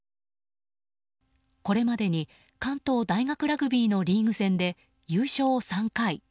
これまでに関東大学ラグビーのリーグ戦で優勝３回。